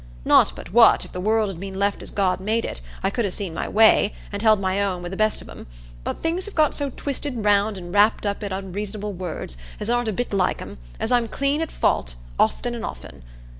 Not but what, if the world had been left as God made it, I could ha' seen my way, and held my own wi' the best of 'em; but things have got so twisted round and wrapped up i' unreasonable words, as aren't a bit like 'em, as I'm clean at fault, often an' often.